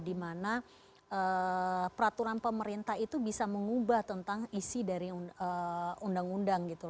dimana peraturan pemerintah itu bisa mengubah tentang isi dari undang undang gitu